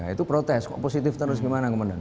itu protes kok positif terus gimana komandan